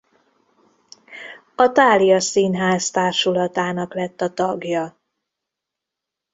A Thália Színház társulatának lett a tagja.